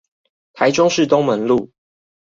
台中市東門路